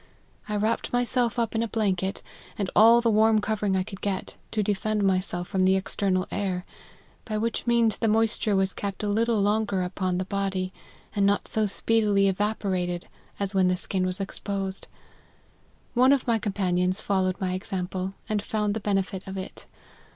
I wrapped myself up in a blanket, and all the warm covering I could get, to defend myself from the external air ; by which means the moisture was kept a little longer upon the body, and not so speedily evaporated as when the skin was exposed : one of my companions followed my ex ample, and found the benefit of it.